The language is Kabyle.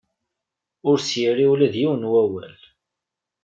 Ur s-yerri ula d yiwen n wawal.